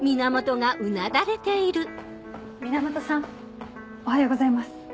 源さんおはようございます。